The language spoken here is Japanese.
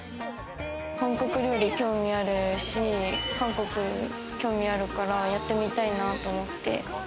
韓国料理、興味あるし、韓国に興味あるからやってみたいなぁと思って。